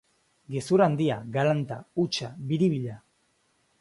Gezur handia, galanta, hutsa, biribila.